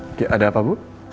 oke ada apa bu